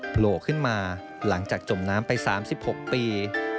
โผล่ขึ้นมาหลังจากจมน้ำไป๓๖ปี